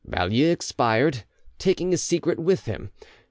Baulieu expired, taking his secret with him.